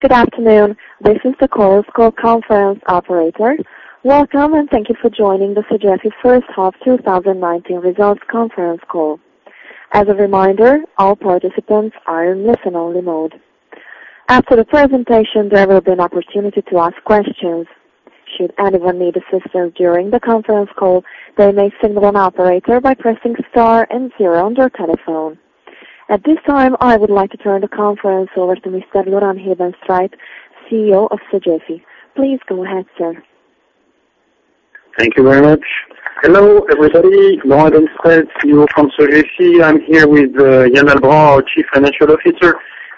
Good afternoon. This is the call's conference operator. Welcome, and thank you for joining the Sogefi First Half 2019 Results Conference Call. As a reminder, all participants are in listen-only mode. After the presentation, there will be an opportunity to ask questions. Should anyone need assistance during the conference call, they may signal an operator by pressing star and zero on their telephone. At this time, I would like to turn the conference over to Mr. Laurent Hebenstreit, CEO of Sogefi. Please go ahead, sir. Thank you very much. Hello, everybody. Laurent Hebenstreit, CEO from Sogefi. I'm here with Yann Albrand, our Chief Financial Officer,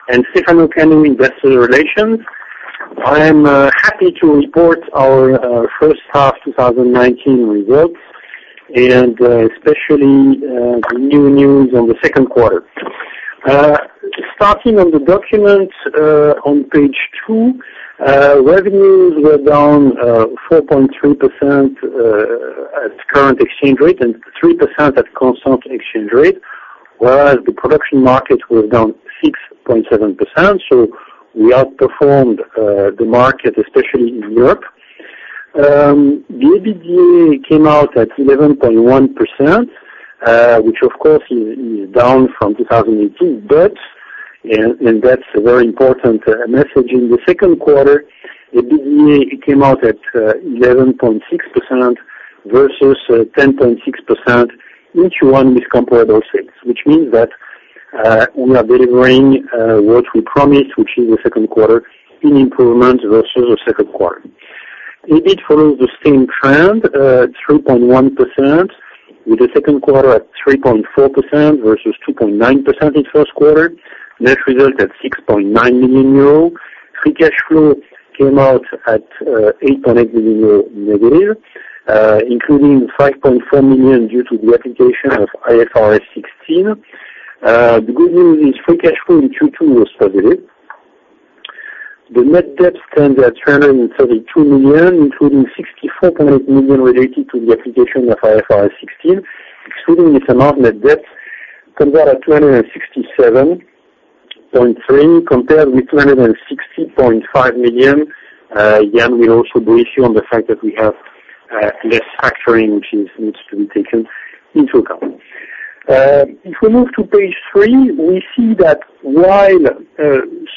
and Stefano Canu in Investor Relations. I am happy to report our first half 2019 results, and especially the new news on the second quarter. Starting on the documents, on page two, revenues were down 4.3% at current exchange rate and 3% at constant exchange rate. Whereas the production market was down 6.7%, we outperformed the market, especially in Europe. The EBITDA came out at 11.1%, which of course, is down from 2018. And that's a very important message in the second quarter, the EBITDA came out at 11.6% versus 10.6%, each one with comparable sales. Which means that we are delivering what we promised, which is the second quarter in improvement versus the second quarter. EBIT follows the same trend, 3.1%, with the second quarter at 3.4% versus 2.9% in first quarter. Net result at 6.9 million euro. Free cash flow came out at 8.8 million euro negative, including 5.4 million due to the application of IFRS 16. The good news is free cash flow in Q2 was positive. The net debt stands at 332 million, including 64.8 million related to the application of IFRS 16. Excluding this amount, net debt comes out at 267.3 million compared with EUR 260.5 million. Yann will also brief you on the fact that we have less factoring, which needs to be taken into account. If we move to page three, we see that while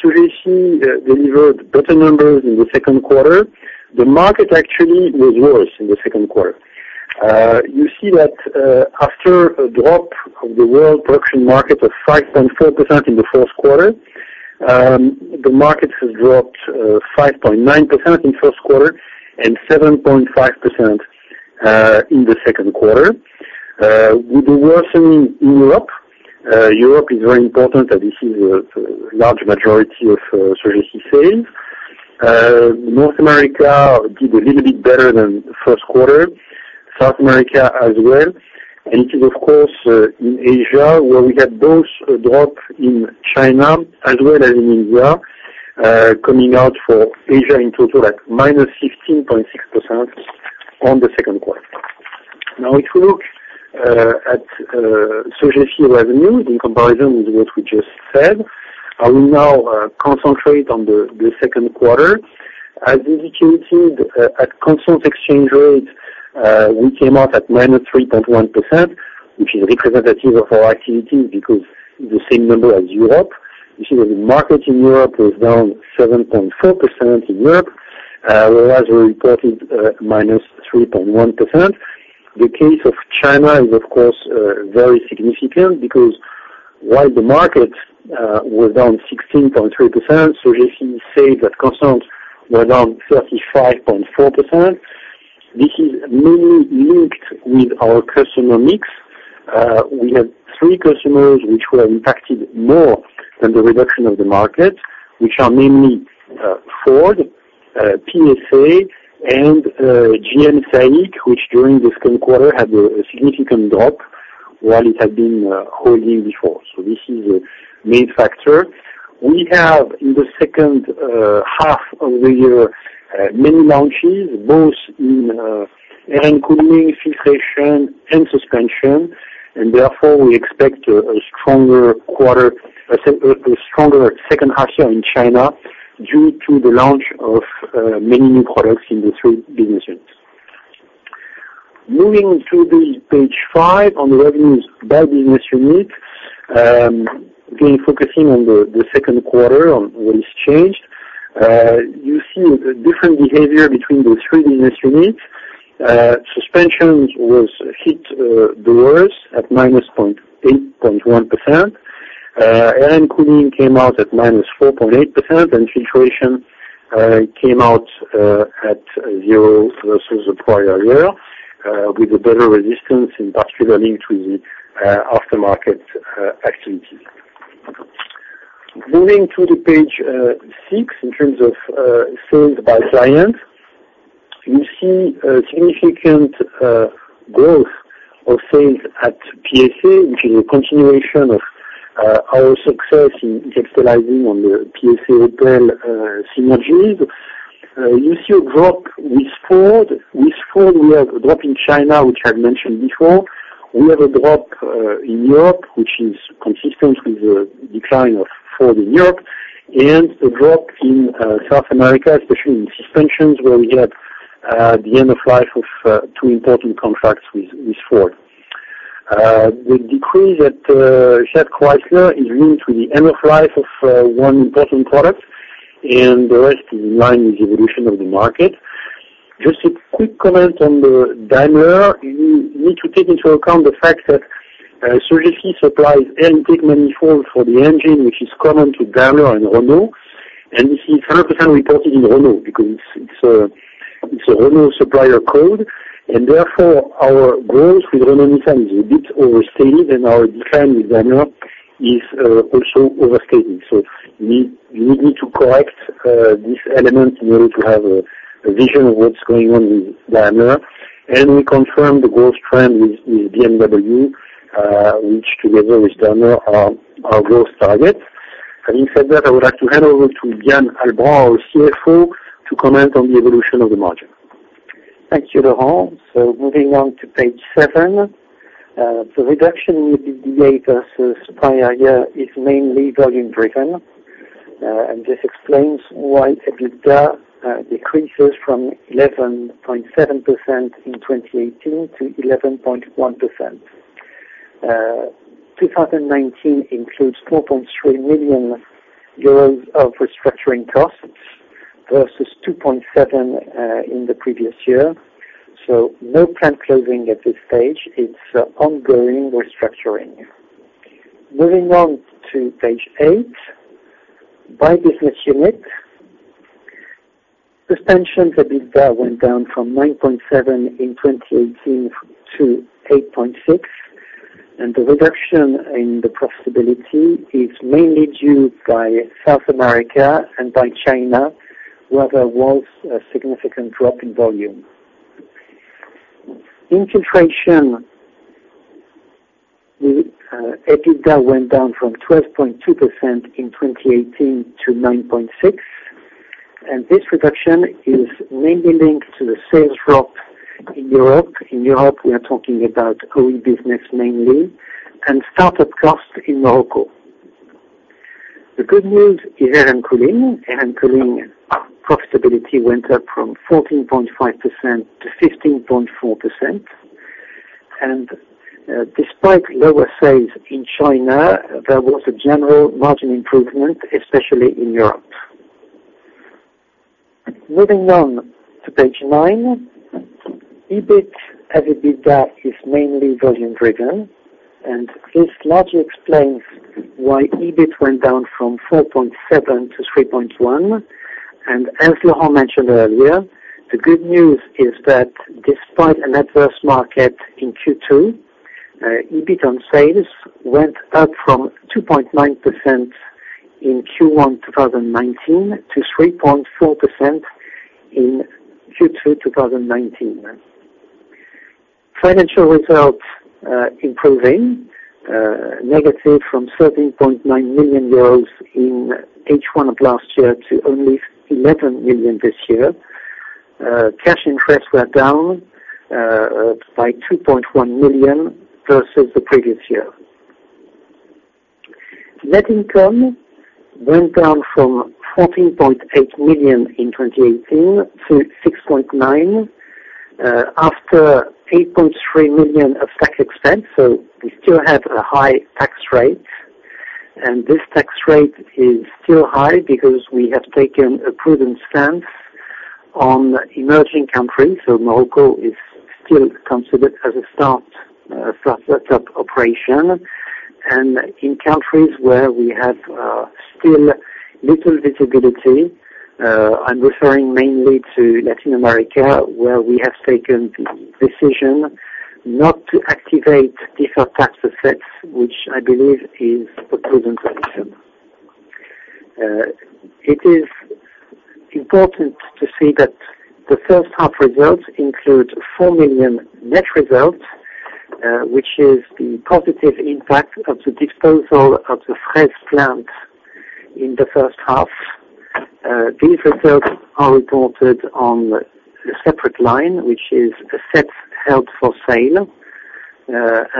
Sogefi delivered better numbers in the second quarter, the market actually was worse in the second quarter. You see that after a drop of the world production market of 5.4% in the first quarter, the market has dropped 5.9% in first quarter and 7.5% in the second quarter with a worsening in Europe. Europe is very important, and this is a large majority of Sogefi sales. North America did a little bit better than first quarter, South America as well. It is, of course, in Asia where we had both a drop in China as well as in India, coming out for Asia in total at -16.6% on the second quarter. Now if you look at Sogefi revenue in comparison with what we just said, I will now concentrate on the second quarter. As indicated at constant exchange rate, we came out at -3.1%, which is representative of our activity because the same number as Europe. You see that the market in Europe was down 7.4% in Europe, whereas we reported -3.1%. The case of China is, of course, very significant because while the market was down 16.3%, Sogefi sales at constant were down 35.4%. This is mainly linked with our customer mix. We have three customers which were impacted more than the reduction of the market, which are mainly Ford, PSA, and SAIC-GM, which during the second quarter had a significant drop while it had been holding before. This is a main factor. We have in the second half of the year many launches, both in air and cooling, filtration, and suspension, and therefore we expect a stronger second half year in China due to the launch of many new products in the three business units. Moving to the page five on the revenues by business unit, again focusing on the second quarter on what has changed. You see a different behavior between the three business units. Suspensions was hit the worst at -8.1%. Air & Cooling came out at -4.8%, and Filtration came out at zero versus the prior year, with a better resistance industrially to the aftermarket activity. Moving to the page six in terms of sales by client, you see a significant growth of sales at PSA, which is a continuation of our success in capitalizing on the PSA Opel synergies. You see a drop with Ford. With Ford, we have a drop in China, which I mentioned before. We have a drop in Europe, which is consistent with the decline of Ford in Europe, and a drop in South America, especially in suspensions, where we had the end of life of two important contracts with Ford. The decrease at Fiat Chrysler is linked to the end of life of one important product, and the rest is in line with the evolution of the market. Just a quick comment on Daimler. You need to take into account the fact that Sogefi supplies intake manifold for the engine, which is common to Daimler and Renault. This is 100% reported in Renault because it's a Renault supplier code. Therefore, our growth with Renault sometimes is a bit overstated and our decline with Daimler is also overstated. You would need to correct this element in order to have a vision of what's going on with Daimler. We confirm the growth trend with BMW, which together with Daimler, are our growth targets. Having said that, I would like to hand over to Yann Albrand, our CFO, to comment on the evolution of the margin. Thank you, Laurent. Moving on to page seven. The reduction with the year versus prior year is mainly volume driven. This explains why EBITDA decreases from 11.7% in 2018 to 11.1%. 2019 includes 4.3 million euros of restructuring costs versus 2.7 in the previous year. No plant closing at this stage. It's ongoing restructuring. Moving on to page eight. By business unit. Suspensions EBITDA went down from 9.7% in 2018 to 8.6%. The reduction in the profitability is mainly due by South America and by China, where there was a significant drop in volume. In filtration, the EBITDA went down from 12.2% in 2018 to 9.6%. This reduction is mainly linked to the sales drop in Europe. In Europe, we are talking about OE business mainly, and start-up costs in Morocco. The good news is air and cooling. Air and cooling profitability went up from 14.5%-15.4%. Despite lower sales in China, there was a general margin improvement, especially in Europe. Moving on to page nine. EBIT, EBITDA is mainly volume driven. This largely explains why EBIT went down from 4.7%-3.1%. As Laurent mentioned earlier, the good news is that despite an adverse market in Q2, EBIT on sales went up from 2.9% in Q1 2019 to 3.4% in Q2 2019. Financial results improving. Negative from 13.9 million euros in H1 of last year to only 11 million this year. Cash interest were down by 2.1 million versus the previous year. Net income went down from 14.8 million in 2018 to 6.9 million after 8.3 million of tax expense. We still have a high tax rate. This tax rate is still high because we have taken a prudent stance on emerging countries. Morocco is still considered as a start-up operation. In countries where we have still little visibility, I'm referring mainly to Latin America, where we have taken the decision not to activate deferred tax assets, which I believe is a prudent decision. It is important to say that the first half results include 4 million net results, which is the positive impact of the disposal of the Fraize plant in the first half. These results are reported on a separate line, which is assets held for sale.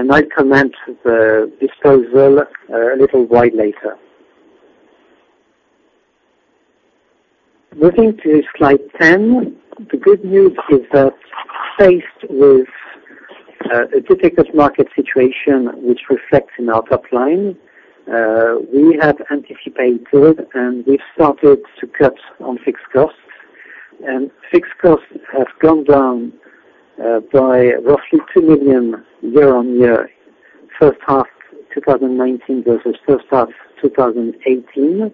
I comment the disposal a little while later. Moving to slide 10. The good news is that faced with a difficult market situation which reflects in our top line, we have anticipated and we've started to cut on fixed costs, and fixed costs have gone down by roughly 2 million euro year-on-year, first half 2019 versus first half 2018.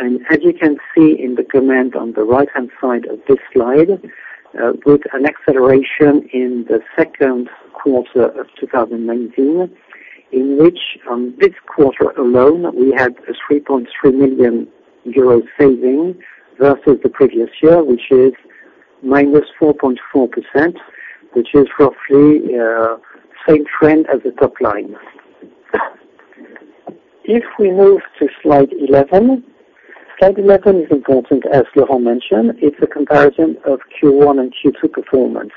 As you can see in the comment on the right-hand side of this slide, with an acceleration in the second quarter of 2019, in which on this quarter alone, we had a 3.3 million euro saving versus the previous year, which is -4.4%, which is roughly same trend as the top line. If we move to slide 11. Slide 11 is important, as Laurent mentioned, it's a comparison of Q1 and Q2 performance.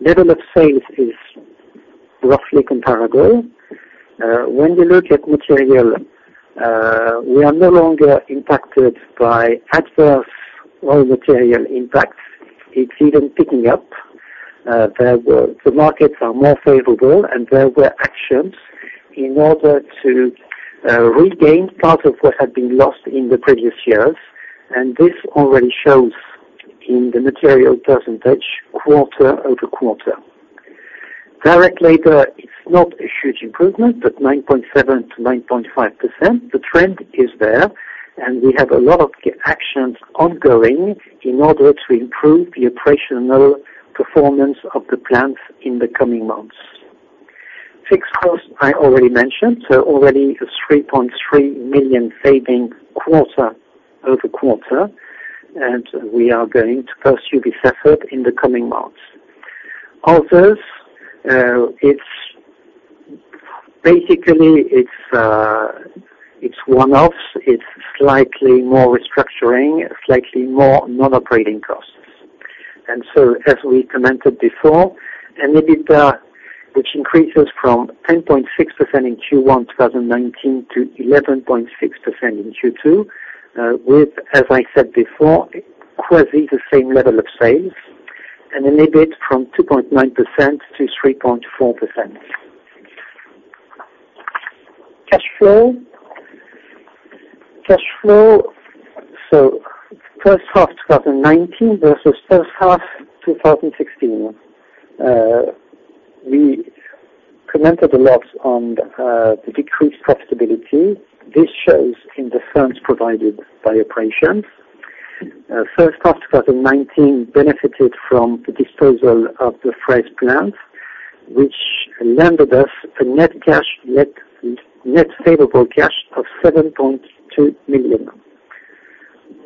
Level of sales is roughly comparable. When we look at material, we are no longer impacted by adverse raw material impacts. It's even picking up. The markets are more favorable, and there were actions in order to regain part of what had been lost in the previous years. This already shows in the material percentage quarter-over-quarter. Direct labor, it's not a huge improvement, but 9.7%-9.5%. The trend is there. We have a lot of actions ongoing in order to improve the operational performance of the plant in the coming months. Fixed cost, I already mentioned, already a 3.3 million saving quarter-over-quarter. We are going to pursue this effort in the coming months. Others, basically it's one-offs. It's slightly more restructuring, slightly more non-operating costs. As we commented before, an EBITDA which increases from 10.6% in Q1 2019 to 11.6% in Q2 with, as I said before, quasi the same level of sales and an EBIT from 2.9% to 3.4%. Cash flow. First half 2019 versus first half 2016. We commented a lot on the decreased profitability. This shows in the funds provided by operations. First half 2019 benefited from the disposal of the Fraize plant, which landed us a net favorable cash of 7.2 million.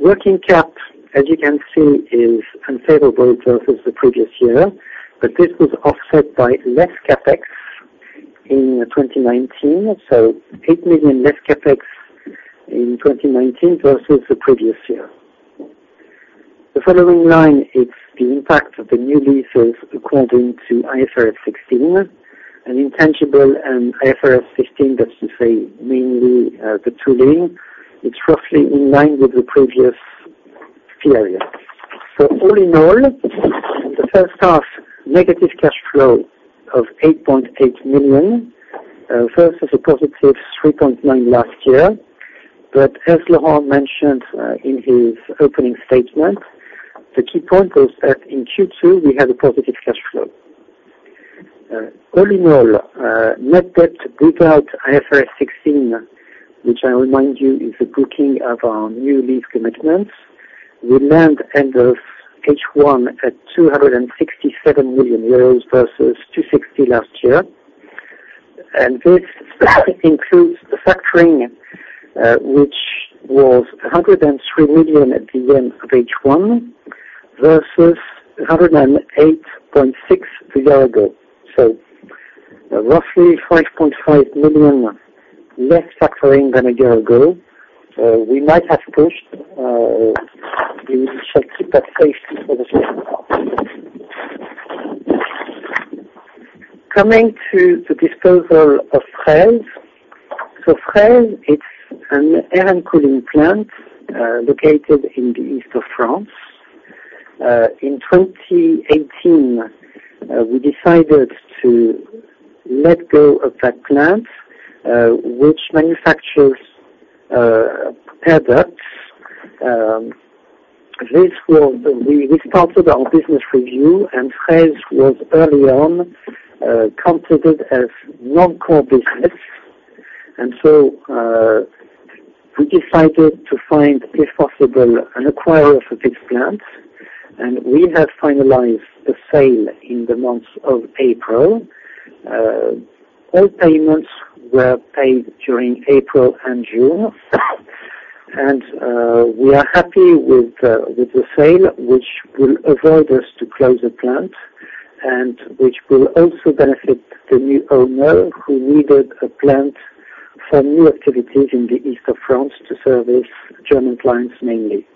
Working cap, as you can see, is unfavorable versus the previous year. This was offset by less CapEx in 2019. 8 million less CapEx in 2019 versus the previous year. The following line, it's the impact of the new leases according to IFRS 16 and intangible and IFRS 15, that to say mainly the tooling. It's roughly in line with the previous period. All in all, the first half, negative cash flow of 8.8 million versus a positive 3.9 last year. As Laurent mentioned in his opening statement, the key point was that in Q2 we had a positive cash flow. All in all, net debt group out IFRS 16, which I remind you is the booking of our new lease commitments. We land end of H1 at 267 million euros versus 260 last year. This specifically includes the factoring which was 103 million at the end of H1 versus 108.6 million a year ago. Roughly 5.5 million less factoring than a year ago. We might have pushed. We shall keep that safe for the future. Coming to the disposal of Fraize. Fraize, it's an air and cooling plant, located in the East of France. In 2018, we decided to let go of that plant, which manufactures air ducts. We started our business review, and Fraize was early on considered as non-core business. We decided to find, if possible, an acquirer for this plant. We have finalized the sale in the month of April. All payments were paid during April and June. We are happy with the sale, which will avoid us to close the plant and which will also benefit the new owner who needed a plant for new activities in the East of France to service German clients mainly.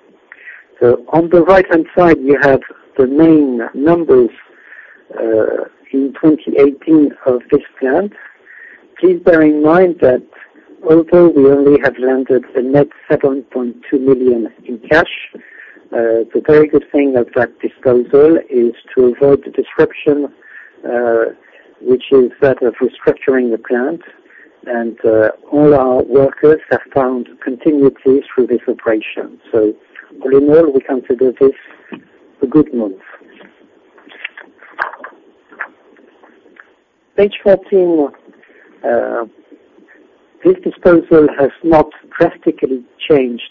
On the right-hand side, you have the main numbers, in 2018 of this plant. Please bear in mind that although we only have landed a net 7.2 million in cash, the very good thing of that disposal is to avoid the disruption which is that of restructuring the plant. All our workers have found continuity through this operation. All in all, we consider this a good move. Page 14. This disposal has not drastically changed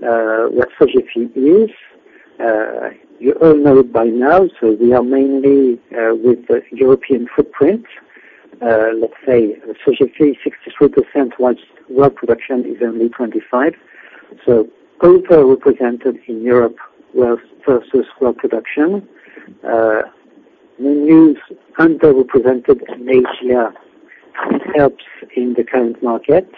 what Sogefi is. You all know by now, so we are mainly with the European footprint. Let's say Sogefi 63% whilst world production is only 25. Over-represented in Europe versus world production. Its underrepresented in Asia helps in the current market.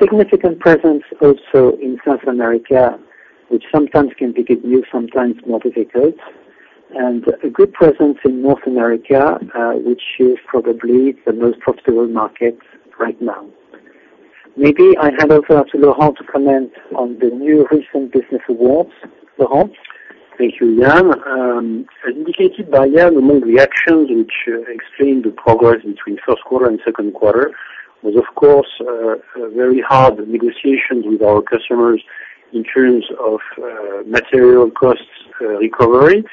Significant presence also in South America, which sometimes can be good news, sometimes more difficult, and a good presence in North America, which is probably the most profitable market right now. Maybe I hand over to Laurent to comment on the new recent business awards. Laurent? Thank you, Yann. As indicated by Yann, the main reactions which explain the progress between first quarter and second quarter was, of course, very hard negotiations with our customers in terms of material costs recovery.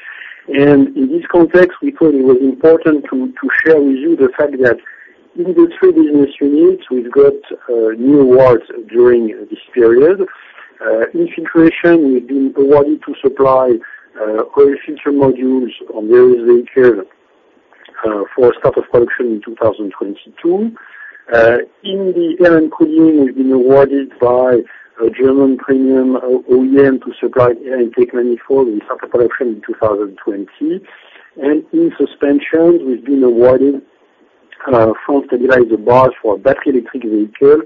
In this context, we thought it was important to share with you the fact that in the three business units, we've got new awards during this period. In filtration, we've been awarded to supply oil filter modules on various vehicles for start of production in 2022. In the Air & Cooling, we've been awarded by a German premium OEM to supply air intake manifold with start of production in 2020. In suspension, we've been awarded front stabilizer bars for battery electric vehicle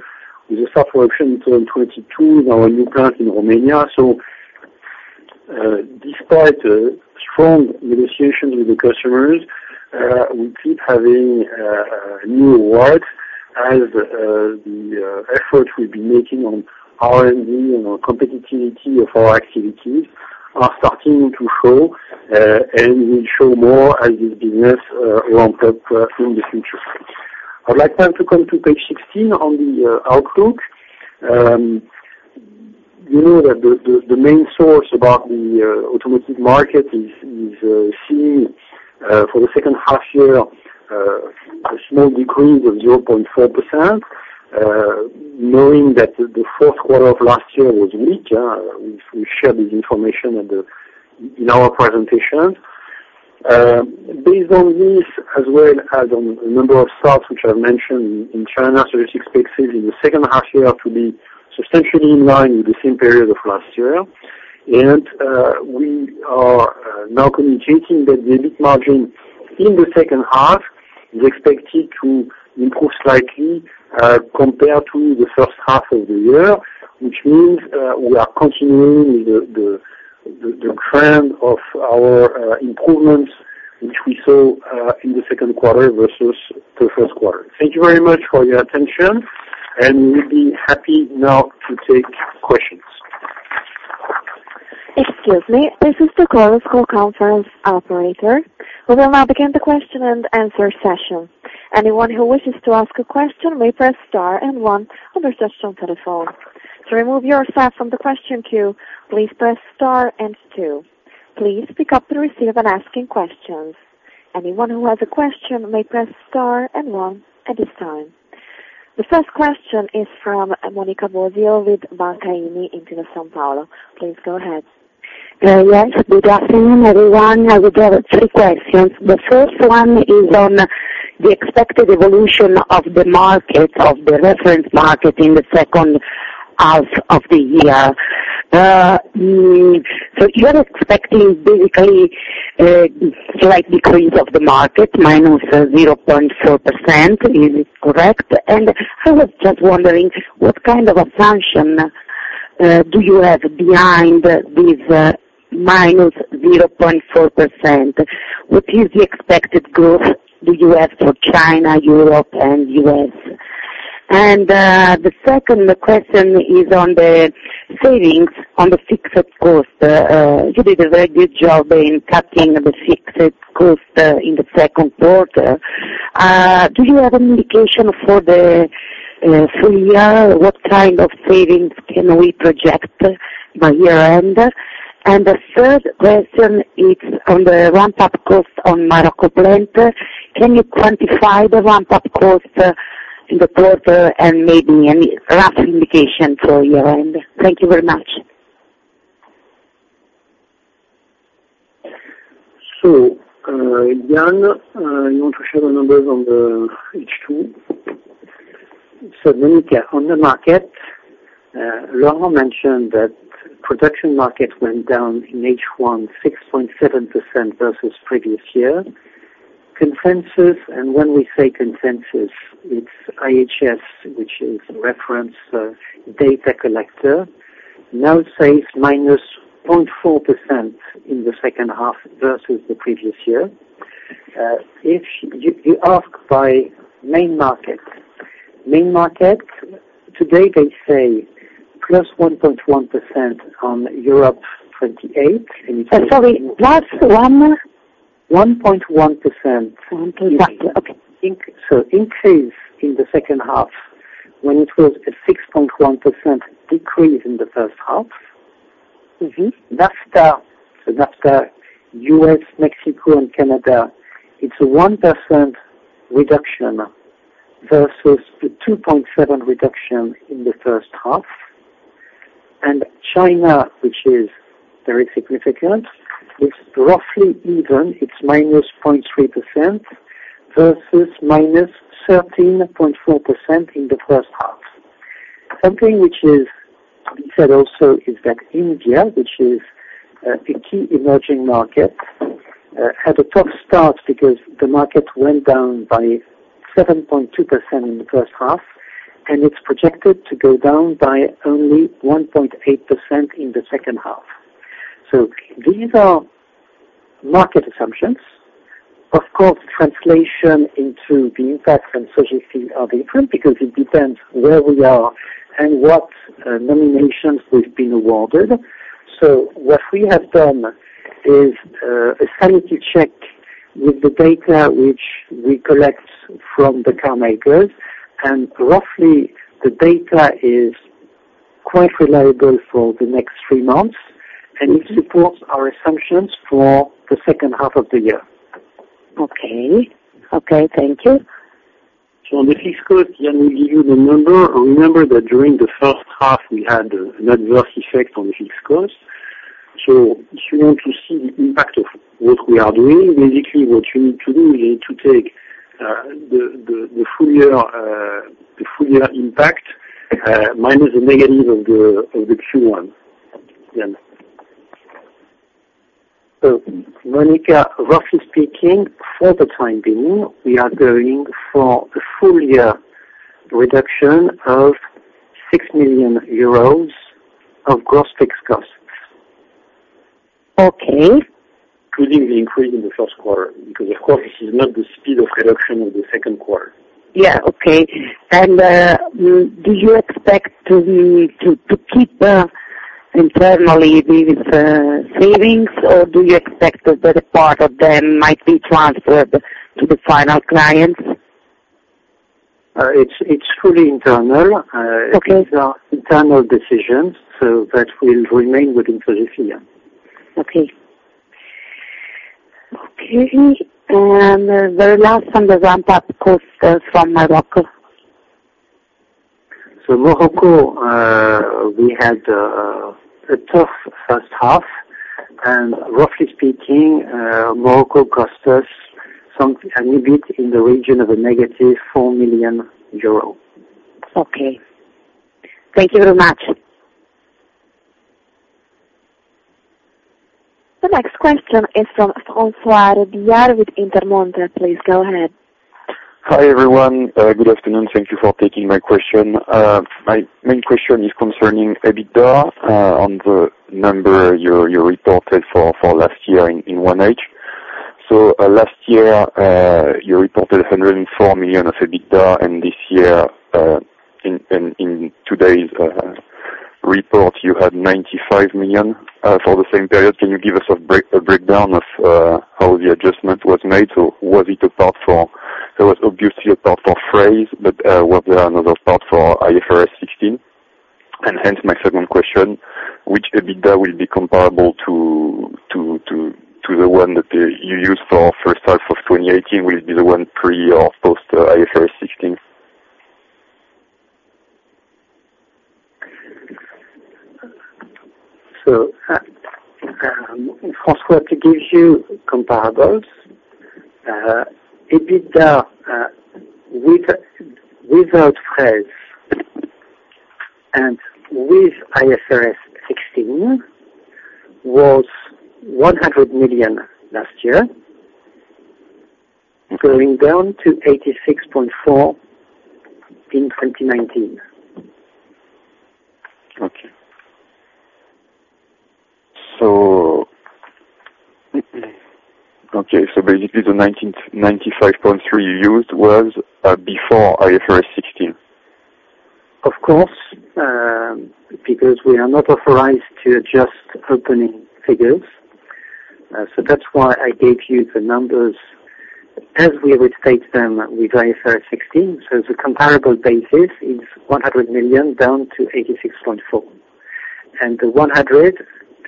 with a start of production in 2022 in our new plant in Romania. Despite strong negotiations with the customers, we keep having new awards as the effort we've been making on R&D and on competitiveness of our activities are starting to show and will show more as this business ramps up in the future. I'd like now to come to page 16 on the outlook. You know that the main source about the automotive market is seeing for the second half year a small decrease of 0.4%, knowing that the fourth quarter of last year was weak. We've shared this information in our presentation. Based on this, as well as on a number of starts which I mentioned in China, we expect sales in the second half year to be substantially in line with the same period of last year. We are now communicating that the EBIT margin in the second half is expected to improve slightly compared to the first half of the year, which means we are continuing with the trend of our improvements which we saw in the second quarter versus the first quarter. Thank you very much for your attention, and we'll be happy now to take questions. Excuse me. This is the conference call operator. We will now begin the question and answer session. Anyone who wishes to ask a question may press star and one on their touch-tone telephone. To remove yourself from the question queue, please press star and two. Please pick up to receive when asking questions. Anyone who has a question may press star and one at this time. The first question is from Monica Bosio with Intesa Sanpaolo in São Paulo. Please go ahead. Yes. Good afternoon, everyone. I would have three questions. The first one is on the expected evolution of the market, of the reference market in the second half of the year. You are expecting basically a slight decrease of the market, minus 0.4%. Is it correct? I was just wondering what kind of assumption do you have behind this minus 0.4%? What is the expected growth do you have for China, Europe, and U.S.? The second question is on the savings on the fixed cost. You did a very good job in cutting the fixed cost in the second quarter. Do you have an indication for the full year? What kind of savings can we project by year-end? The third question is on the ramp-up cost on Morocco plant. Can you quantify the ramp-up cost in the quarter and maybe any rough indication for year-end? Thank you very much. Yann, you want to share the numbers on the H2? Monica, on the market, Laurent mentioned that production market went down in H1, 6.7% versus previous year. Consensus, when we say consensus, it's IHS, which is reference data collector, now says minus 0.4% in the second half versus the previous year. If you ask by main market, main market today they say plus 1.1% on Europe 28. Sorry, plus one? 1.1%. 1.1, okay. Increase in the second half when it was a 6.1% decrease in the first half. NAFTA, so that's U.S., Mexico, and Canada, it's a 1% reduction versus the 2.7% reduction in the first half. China, which is very significant, is roughly even. It's minus 0.3% versus minus 13.4% in the first half. Something which is said also is that India, which is a key emerging market, had a tough start because the market went down by 7.2% in the first half, and it's projected to go down by only 1.8% in the second half. These are market assumptions. Of course, translation into the impact on Sogefi are different because it depends where we are and what nominations we've been awarded. What we have done is a sanity check with the data which we collect from the car makers, and roughly the data is quite reliable for the next three months, and it supports our assumptions for the second half of the year. Okay. Thank you. On the fixed cost, can we give you the number? Remember that during the first half, we had an adverse effect on the fixed cost. If you want to see the impact of what we are doing, basically what you need to do is you need to take the full year impact minus the negative of the Q1. Monica, roughly speaking, for the time being, we are going for a full year reduction of 6 million euros of gross fixed costs. Okay. Including the increase in the first quarter, because of course, this is not the speed of reduction of the second quarter. Yeah. Okay. Do you expect to keep internally these savings, or do you expect that a part of them might be transferred to the final clients? It's fully internal. Okay. These are internal decisions, so that will remain within Sogefi. Okay. The last on the ramp-up cost from Morocco. Morocco, we had a tough first half, and roughly speaking, Morocco cost us a bit in the region of a negative 4 million euros. Okay. Thank you very much. The next question is from François Rebiere with Intermonte. Please go ahead. Hi, everyone. Good afternoon. Thank you for taking my question. My main question is concerning EBITDA on the number you reported for last year in 1H. Last year, you reported 104 million of EBITDA, and this year, in today's report, you had 95 million for the same period. Can you give us a breakdown of how the adjustment was made, or was it a part for Fraize, but was there another part for IFRS 16? Hence my second question, which EBITDA will be comparable to the one that you used for first half of 2018? Will it be the one pre or post IFRS 16? François, to give you comparables, EBITDA without Fraize and with IFRS 16 was 100 million last year, going down to 86.4 in 2019. Okay. Basically the 95.3 you used was before IFRS 16. Of course, because we are not authorized to adjust opening figures. That's why I gave you the numbers as we restate them with IFRS 16. The comparable basis is 100 million down to 86.4. The 100,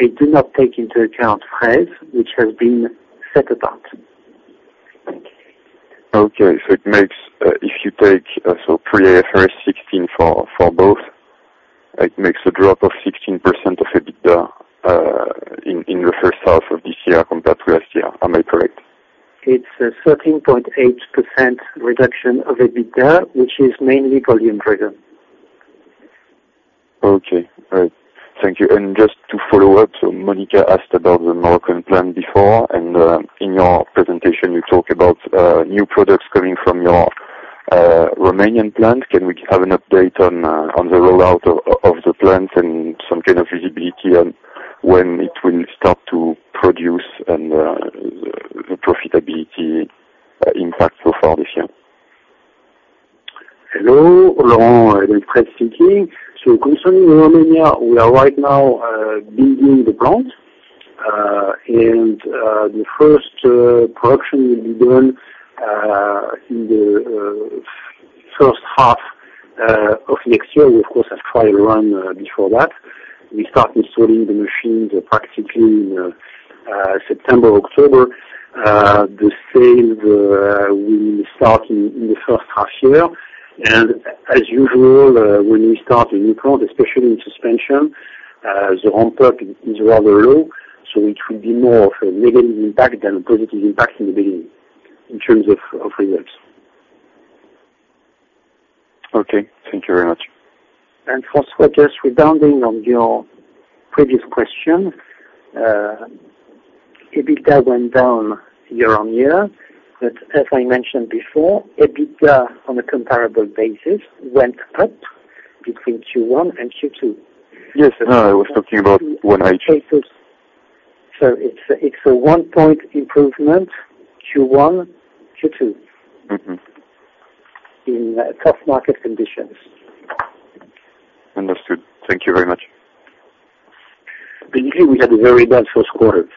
they do not take into account Fraize, which has been set apart. Okay. If you take pre-IFRS 16 for both, it makes a drop of 16% of EBITDA in the first half of this year compared to last year. Am I correct? It's a 13.8% reduction of EBITDA, which is mainly volume driven. Okay. All right. Thank you. Just to follow up, Monica asked about the Moroccan plant before, and in your presentation, you talk about new products coming from your Romanian plant. Can we have an update on the rollout of the plant and some kind of visibility on when it will start to produce and the profitability impact so far this year? Hello, Laurent Hebenstreit speaking. Concerning Romania, we are right now building the plant. The first production will be done in the first half of next year. We, of course, have trial run before that. We start installing the machines practically in September, October. The sale will start in the first half year. As usual, when we start a new plant, especially in suspension, the ramp-up is rather low, so it will be more of a negative impact than a positive impact in the beginning. In terms of results. Okay. Thank you very much. François, just rebounding on your previous question. EBITDA went down year-on-year, but as I mentioned before, EBITDA on a comparable basis, went up between Q1 and Q2. Yes. I was talking about 1H. It's a one-point improvement Q1, Q2. In tough market conditions. Understood. Thank you very much. We had a very bad first quarter.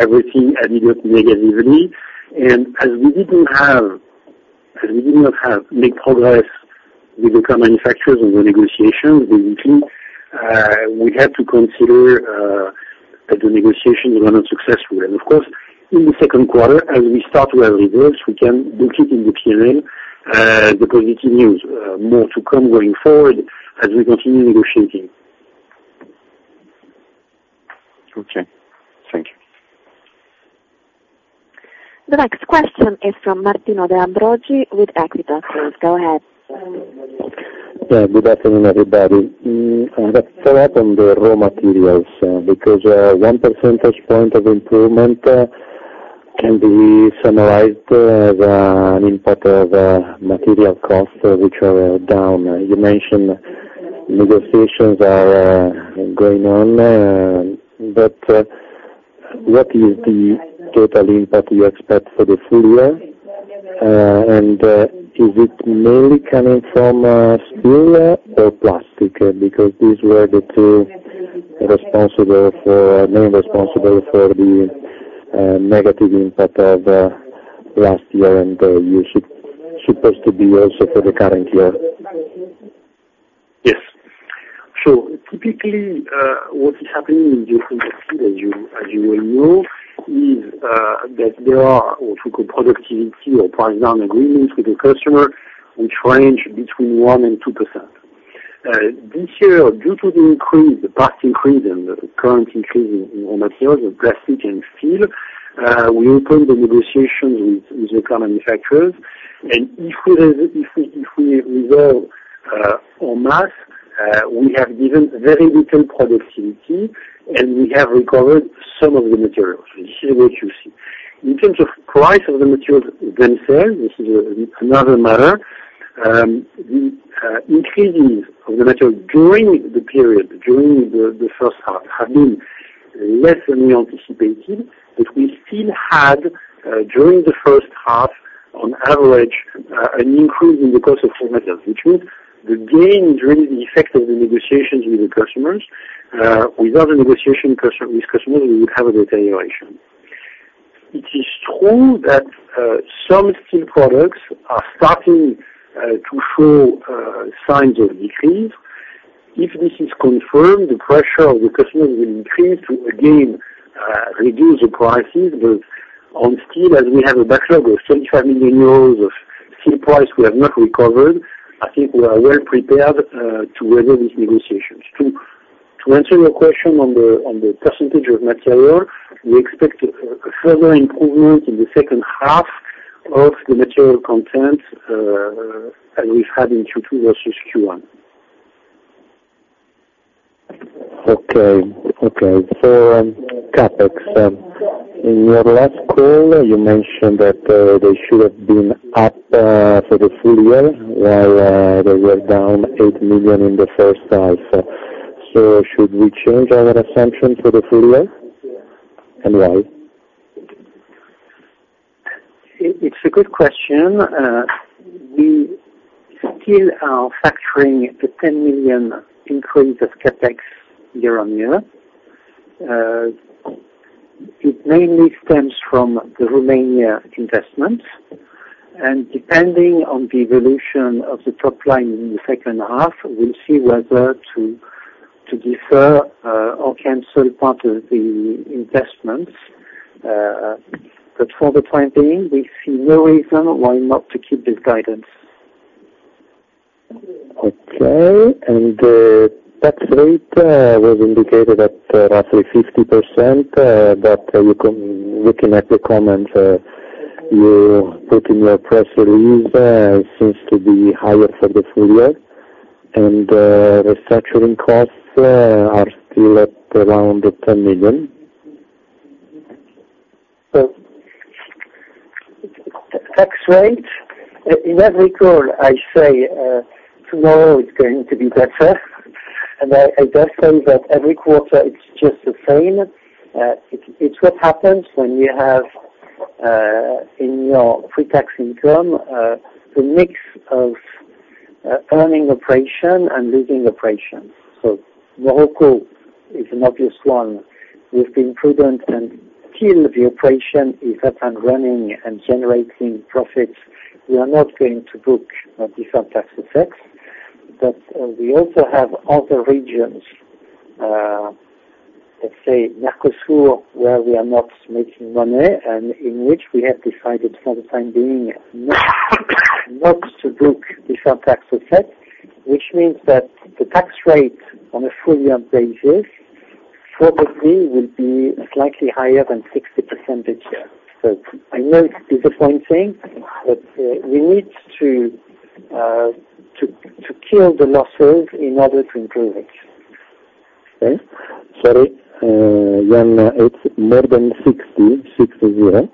Everything had been negatively. As we did not have big progress with the car manufacturers on the negotiations, basically, we had to consider that the negotiations were not successful. Of course, in the second quarter, as we start to have results, we can book it in the P&L, the positive news. More to come going forward, as we continue negotiating. Okay. Thank you. The next question is from Martino De Ambroggi with Equita. Please, go ahead. Yeah. Good afternoon, everybody. I have a follow-up on the raw materials, because one percentage point of improvement can be summarized as an impact of material costs which are down. You mentioned negotiations are going on. What is the total impact you expect for the full year? Is it mainly coming from steel or plastic? These were the two main responsible for the negative impact of last year and supposed to be also for the current year. Yes. Typically, what is happening in different materials as you well know is that there are what we call productivity or price down agreements with the customer, which range between 1%-2%. This year, due to the increase, the past increase and the current increase in raw materials, plastic and steel, we opened the negotiations with car manufacturers. If we resolve en masse, we have given very good productivity, and we have recovered some of the materials. This is what you see. In terms of price of the materials themselves, this is another matter. The increases of the material during the period, during the first half, have been less than we anticipated. We still had, during the first half, on average, an increase in the cost of raw materials, which means the gain during the effect of the negotiations with the customers, without the negotiation with customers, we would have a deterioration. It is true that some steel products are starting to show signs of decrease. If this is confirmed, the pressure of the customers will increase to again, reduce the prices. On steel, as we have a backlog of 35 million euros of steel price we have not recovered, I think we are well prepared to handle these negotiations. To answer your question on the % of material, we expect a further improvement in the second half of the material content that we've had in Q2 versus Q1. Okay. CapEx. In your last call, you mentioned that they should have been up for the full year, while they were down 8 million in the first half. Should we change our assumption for the full year? Why? It's a good question. We still are factoring the 10 million increase of CapEx year-on-year. It mainly stems from the Romania investment. Depending on the evolution of the top line in the second half, we'll see whether to defer or cancel part of the investments. For the time being, we see no reason why not to keep this guidance. Okay. The tax rate was indicated at roughly 50%, looking at the comments you put in your press release, it seems to be higher for the full year. The structuring costs are still at around EUR 10 million. Tax rate. In every call I say, tomorrow it's going to be better. I dare say that every quarter it's just the same. It's what happens when you have, in your pre-tax income, the mix of earning operation and losing operation. Morocco is an obvious one. We've been prudent and still the operation is up and running and generating profits. We are not going to book a different tax effect. We also have other regions, let's say Mercosur, where we are not making money and in which we have decided for the time being, not to book different tax effect, which means that the tax rate on a full-year basis. Probably will be slightly higher than 60% this year. I know it's disappointing, but we need to kill the losses in order to improve it. Okay. Sorry. Yann, it's more than 60, 6-0?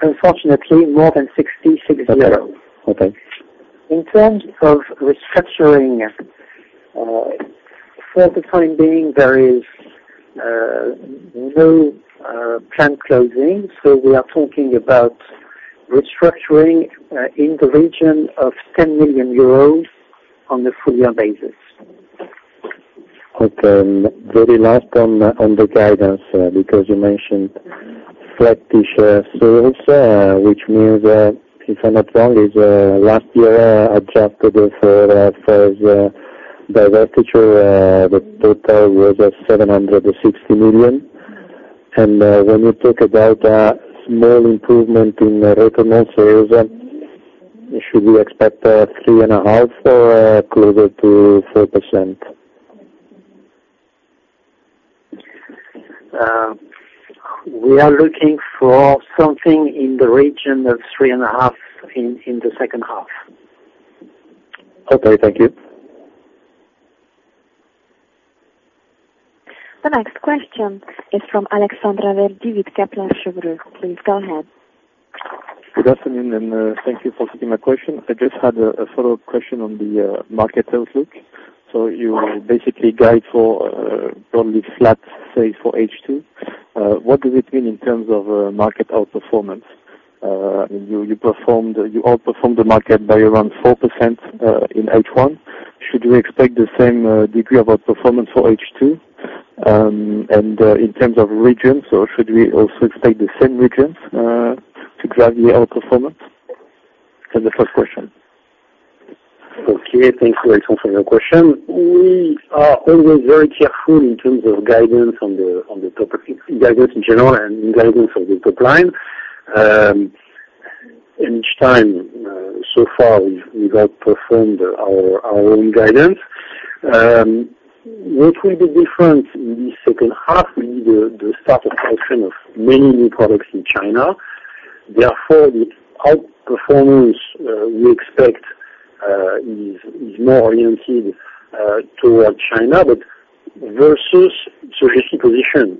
Unfortunately, more than 60, 6-0. Okay. In terms of restructuring, for the time being, there is no plant closing, so we are talking about restructuring in the region of 10 million euros on the full year basis. Okay. Very last on the guidance, because you mentioned flattish sales, which means that if I'm not wrong, last year, adjusted for divestitures, the total was 760 million. When you talk about a small improvement in aftermarket sales, should we expect 3.5% or closer to 4%? We are looking for something in the region of 3.5% in the second half. Okay, thank you. The next question is from Alexandre Raverdy with Kepler Cheuvreux. Please go ahead. Good afternoon, and thank you for taking my question. I just had a follow-up question on the market outlook. You basically guide for probably flat sales for H2. What does it mean in terms of market outperformance? You outperformed the market by around 4% in H1. Should we expect the same degree of outperformance for H2? In terms of regions, or should we also expect the same regions to drive the outperformance? That's the first question. Okay, thanks for your question. We are always very careful in terms of guidance in general and guidance of the top line. Each time, so far, we've outperformed our own guidance. What will be different in the second half will be the start of production of many new products in China. The outperformance we expect is more oriented towards China, but versus Sogefi's position.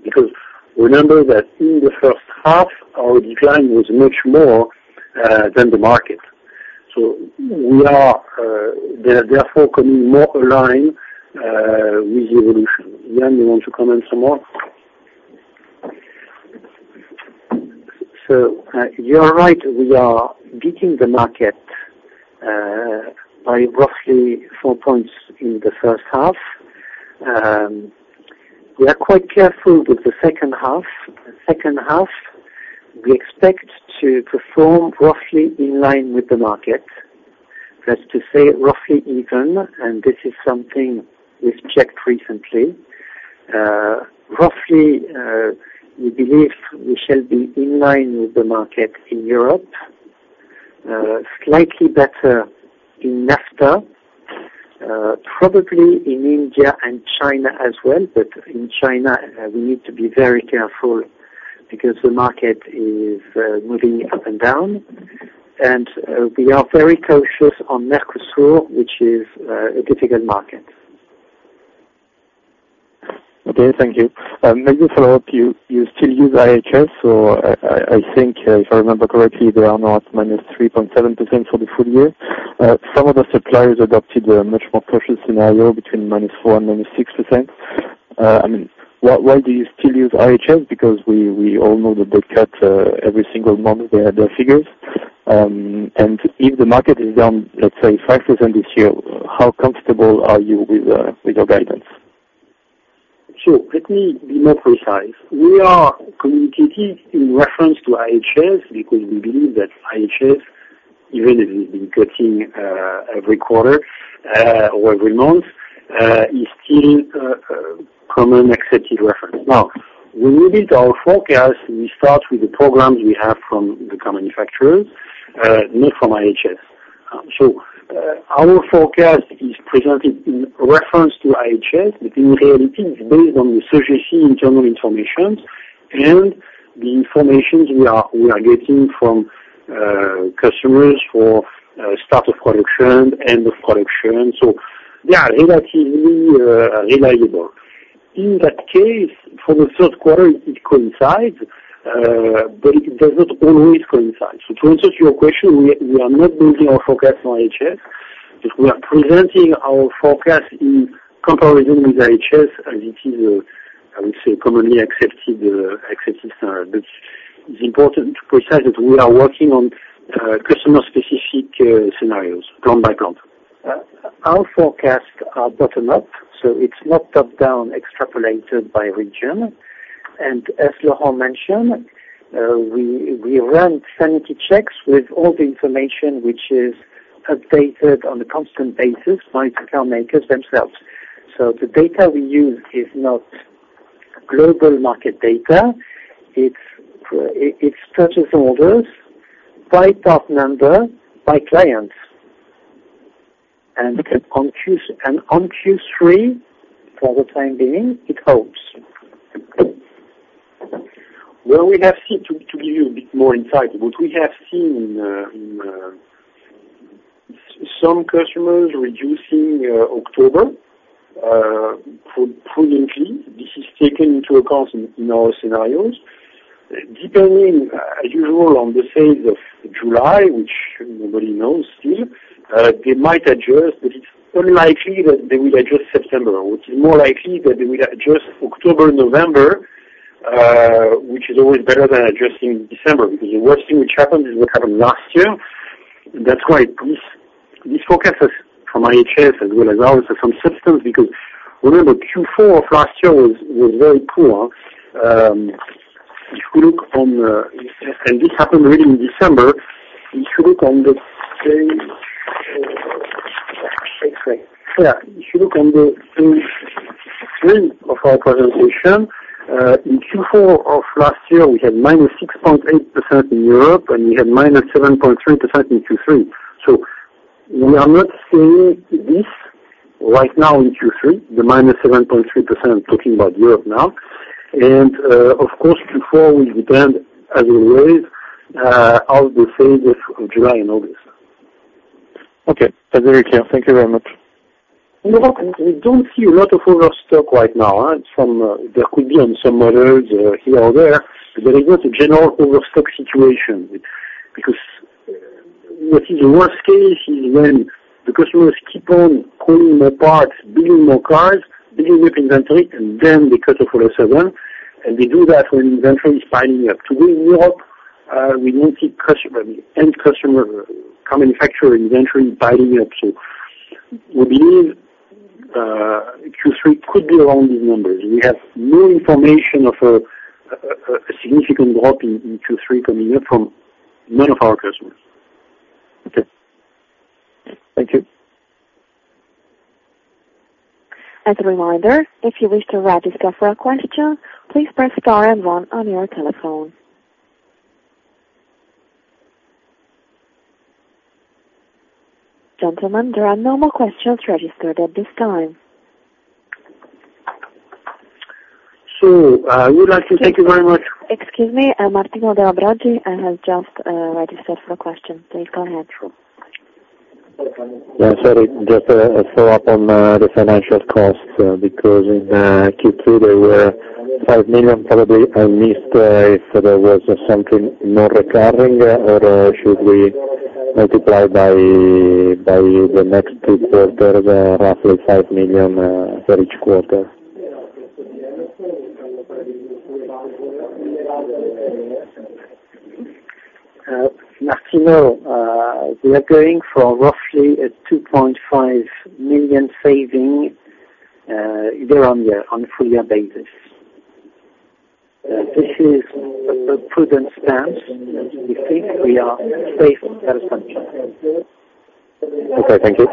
Remember that in the first half, our decline was much more than the market. We are therefore coming more aligned with the evolution. Yann, you want to comment some more? You are right, we are beating the market by roughly four points in the first half. We are quite careful with the second half. The second half, we expect to perform roughly in line with the market. That's to say, roughly even, and this is something we've checked recently. Roughly, we believe we shall be in line with the market in Europe, slightly better in NAFTA, probably in India and China as well. In China, we need to be very careful because the market is moving up and down. We are very cautious on Mercosur, which is a difficult market. Okay, thank you. Maybe a follow-up, you still use IHS, so I think if I remember correctly, they are now at -3.7% for the full year. Some of the suppliers adopted a much more cautious scenario between -4% and -6%. Why do you still use IHS? Because we all know that they cut every single month their figures. If the market is down, let's say 5% this year, how comfortable are you with your guidance? Let me be more precise. We are communicating in reference to IHS because we believe that IHS, even if it's been cutting every quarter or every month, is still a common accepted reference. Now, when we build our forecast, we start with the programs we have from the car manufacturers, not from IHS. Our forecast is presented in reference to IHS, but in reality, it's based on the Sogefi internal information and the informations we are getting from customers for start of production, end of production. They are relatively reliable. In that case, for the third quarter, it coincides, but it does not always coincide. To answer your question, we are not building our forecast on IHS, but we are presenting our forecast in comparison with IHS as it is, I would say, a commonly accepted standard. It's important to precise that we are working on customer-specific scenarios, plant by plant. Our forecasts are bottom-up, so it's not top-down extrapolated by region. As Laurent mentioned, we run sanity checks with all the information which is updated on a constant basis by the car makers themselves. The data we use is not global market data. It's purchase orders by part number by clients. On Q3, for the time being, it holds. Well, to give you a bit more insight, what we have seen, some customers reducing October prudently. This is taken into account in our scenarios. Depending, as usual, on the sales of July, which nobody knows yet, they might adjust, but it's unlikely that they will adjust September. What is more likely is that they will adjust October, November, which is always better than adjusting December. The worst thing which happened is what happened last year. That's why these forecasts from IHS, as well as ours, are some systems because remember, Q4 of last year was very poor. This happened really in December. If you look on the page three of our presentation, in Q4 of last year, we had -6.8% in Europe, and we had -7.3% in Q3. We are not seeing this right now in Q3, the -7.3%, talking about Europe now. Of course, Q4 will depend, as always, on the sales of July and August. Okay. That's very clear. Thank you very much. In Europe, we don't see a lot of overstock right now. There could be on some models here or there, but there's not a general overstock situation. What is the worst case is when the customers keep on pulling more parts, building more cars, building up inventory, and then they cut off order 7, and they do that when inventory is piling up. In Europe, we don't see any customer, car manufacturer inventory piling up. We believe Q3 could be along these numbers. We have no information of a significant drop in Q3 coming up from none of our customers. Okay. Thank you. As a reminder, if you wish to register for a question, please press star and one on your telephone. Gentlemen, there are no more questions registered at this time. We would like to thank you very much. Excuse me, Martino De Ambroggi has just registered for a question. Please go ahead. Yeah, sorry. Just a follow-up on the financial costs, because in Q3, there were EUR 5 million probably. I missed if there was something more recurring, or should we multiply by the next two quarters, roughly EUR 5 million for each quarter. Martino, we are going for roughly a 2.5 million saving year on year, on a full year basis. This is a prudent stance. We think we are safe and very confident. Okay, thank you.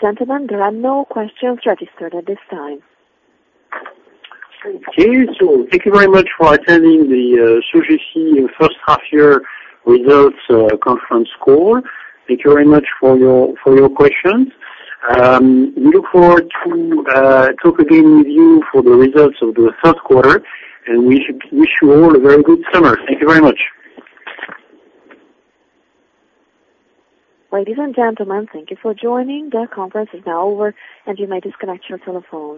Gentlemen, there are no questions registered at this time. Okay. Thank you very much for attending the Sogefi first half year results conference call. Thank you very much for your questions. We look forward to talking again with you for the results of the third quarter, and we wish you all a very good summer. Thank you very much. Ladies and gentlemen, thank you for joining. The conference is now over, and you may disconnect your telephones.